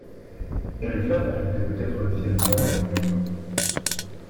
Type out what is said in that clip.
Elvire consultait peut-être le ciel blanc et les feuilles d'or.